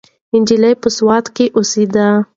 نجلۍ په سوات کې اوسیده.